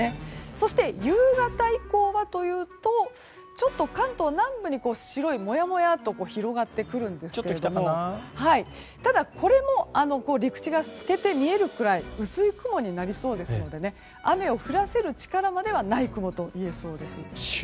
そして、夕方以降はというとちょっと関東南部に白いもやもやが広がってくるんですがただ、これも陸地が透けて見えるくらい薄い雲になりそうですので雨を降らせる力まではない雲といえそうです。